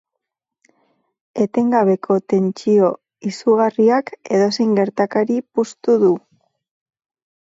Etengabeko tentsio izugarriak edozein gertakari puztu du.